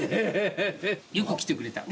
よく来てくれた。